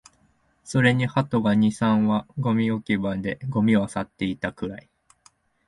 それに鳩が二、三羽、ゴミ置き場でゴミを漁っていたくらい